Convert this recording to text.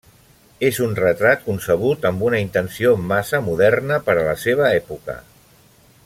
És un retrat concebut amb una intenció massa moderna per a la seva època.